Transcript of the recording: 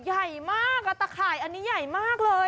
ใหญ่มากตะข่ายอันนี้ใหญ่มากเลย